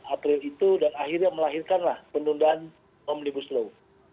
april itu dan akhirnya melahirkanlah penundaan omnibus law